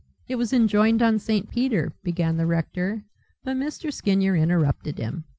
"It was enjoined on St. Peter," began the rector, but Mr. Skinyer interrupted him.